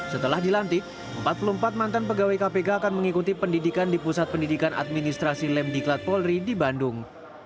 setelah dilantik empat puluh empat mantan pegawai kpk akan mengikuti pendidikan di pusat pendidikan administrasi lemdiklat polri di bandung